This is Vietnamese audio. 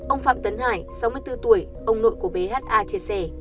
ông phạm tấn hải sáu mươi bốn tuổi ông nội của bé ha chia sẻ